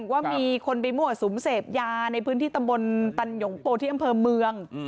ว่ามีคนไปมั่วสุมเสพยาในพื้นที่ตำบลตันหยงโปที่อำเภอเมือง